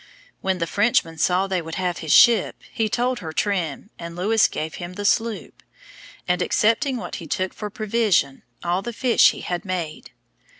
When the Frenchman saw they would have his ship, he told her trim, and Lewis gave him the sloop; and excepting what he took for provision, all the fish he had made.